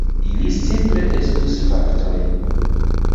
Ili simple estus faktoj.